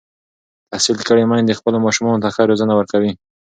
تحصیل کړې میندې خپلو ماشومانو ته ښه روزنه ورکوي.